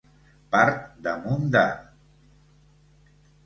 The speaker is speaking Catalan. Part damunt de.